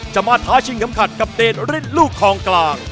จะมาท้าชิงขำขัดกับเตรนริ่นลูกคลองกลาง